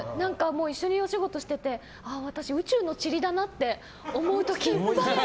一緒にお仕事してて私、宇宙のちりだなって思う時がいっぱいある。